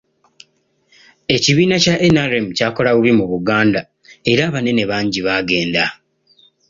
Ekibiina kya NRM kyakola bubi mu Buganda era abanene bangi bagenda.